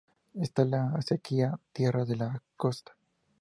Este le obsequia tierras en la costa.